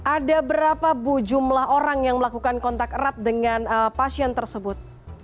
ada berapa bu jumlah orang yang melakukan kontak erat dengan pasien tersebut